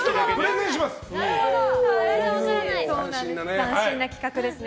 斬新な企画ですね。